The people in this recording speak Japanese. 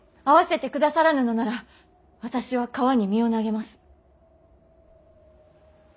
会わせてくださらぬのなら私は川に身を投げます。